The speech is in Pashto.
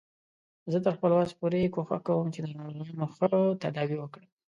زه تر خپل وس پورې کوښښ کوم چې د ناروغانو ښه تداوی وکړم